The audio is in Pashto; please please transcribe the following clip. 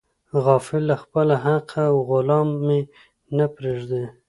غافل له خپله حقه او غلام مې نه پریږدي.